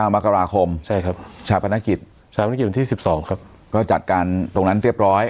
มกราคมชาปนกิจชาวพนักกิจวันที่๑๒ครับก็จัดการตรงนั้นเรียบร้อย